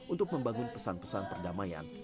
untuk membangun pesan pesan perdamaian